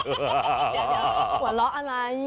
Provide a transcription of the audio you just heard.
หวัดล้ออะไร